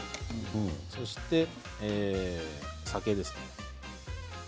そして、酒ですね。